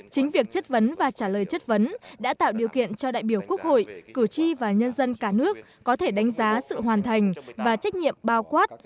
chính việc chất vấn và trả lời chất vấn đã tạo điều kiện cho đại biểu quốc hội cử tri và nhân dân cả nước có thể đánh giá sự hoàn thành và trách nhiệm bao quát